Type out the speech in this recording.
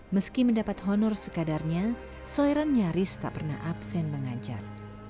meski mendapat honor sekadarnya soiran nyaris tak pernah absen mengajar